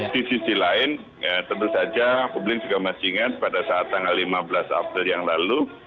di sisi lain tentu saja publik juga masih ingat pada saat tanggal lima belas april yang lalu